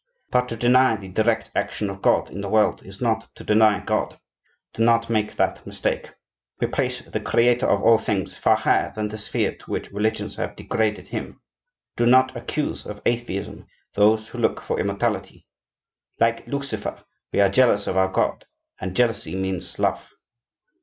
But to deny the direct action of God in the world is not to deny God; do not make that mistake. We place the Creator of all things far higher than the sphere to which religions have degraded Him. Do not accuse of atheism those who look for immortality. Like Lucifer, we are jealous of our God; and jealousy means love.